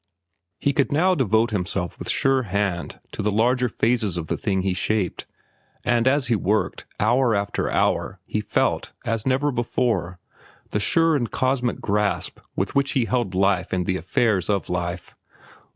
He could now devote himself with sure hand to the larger phases of the thing he shaped; and as he worked, hour after hour, he felt, as never before, the sure and cosmic grasp with which he held life and the affairs of life.